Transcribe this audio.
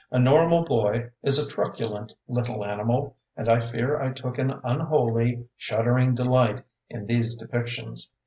A normal boy is a truculent little animal, and I fear I took an unholy, shuddering delight in these depictions.